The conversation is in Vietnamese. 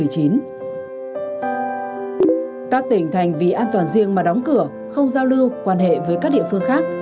các tỉnh thành vì an toàn riêng mà đóng cửa không giao lưu quan hệ với các địa phương khác